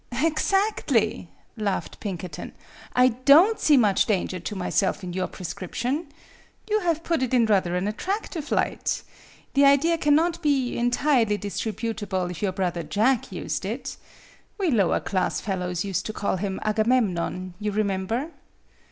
"Exactly," laughed Pinkerton. "I don't see much danger to myself in your prescrip tion. You have put it in rather an attractive light. The idea cannot be entirely disrepu table if your brother Jack used it. We lower class fellows used to call him Agamemnon, you remember."